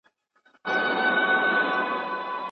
که سياستپوهنه يوازي نظري وای نو عملي اغېز به يې نه درلود.